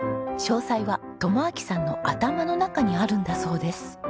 詳細は友晃さんの頭の中にあるんだそうです。